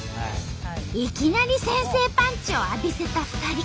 いきなり先制パンチを浴びせた２人。